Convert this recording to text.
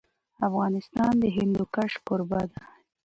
افغانستان د هندوکش کوربه دی.